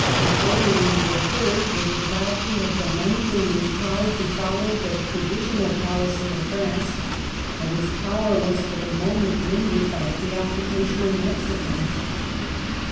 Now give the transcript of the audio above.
Napoleon III. would gladly have done anything in his power to follow the traditional policy of France, but his power was for the moment limited by pre occupation in Mexico.